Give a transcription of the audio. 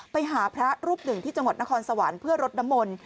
ไปหาพระรูปหนึ่งที่จังหวัดนครสวรรค์เพื่อรดน้ำมนต์